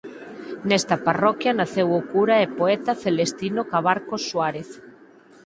Nesta parroquia naceu o cura e poeta Celestino Cabarcos Suárez.